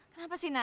kenapa sih nad